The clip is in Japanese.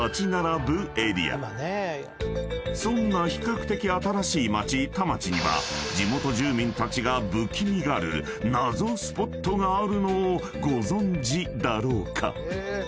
［そんな比較的新しい街田町には地元住民たちが不気味がる謎スポットがあるのをご存じだろうか？］